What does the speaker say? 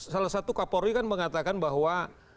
salah satu kapolri kan mengatakan bahwa